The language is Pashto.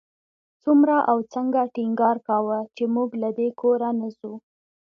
څومره او څنګه ټینګار کاوه چې موږ له دې کوره نه ځو.